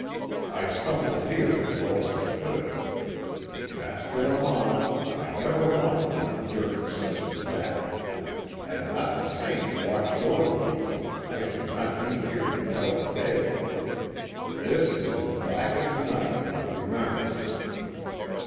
I stumbled here as well as I could. Master Lamont, I never want another journey such as that; had not the saints watched over me I should not be here to tell the tale. This is the blackest night in my remembrance."